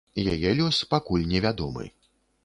Яе лёс пакуль невядомы.